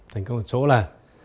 thành công ở chỗ là